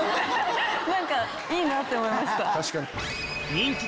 何かいいなって思いました。